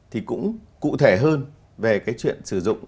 thì cũng cụ thể hơn về cái chuyện sử dụng